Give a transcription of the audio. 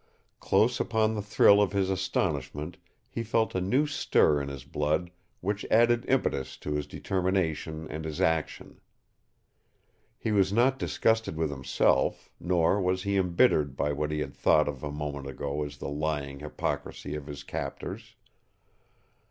Close upon the thrill of his astonishment he felt a new stir in his blood which added impetus to his determination and his action. He was not disgusted with himself, nor was he embittered by what he had thought of a moment ago as the lying hypocrisy of his captors.